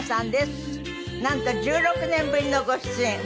なんと１６年ぶりのご出演。